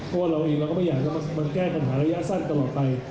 เพราะว่าเราเองเราก็ไม่อยากจะมาแก้ปัญหาระยะสั้นตลอดไป